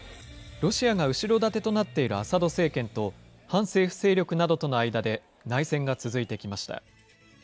ロシアが後ろ盾となっているアサド政権と、反政府勢力などとの間で内戦が続いてきました。